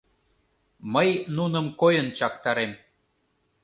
Мый нуным койын чактарем.